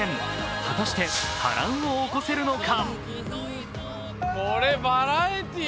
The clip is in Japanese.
果たして波乱を起こせるのか。